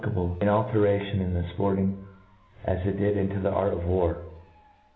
able an alteration into fporting as it did into thf art of war.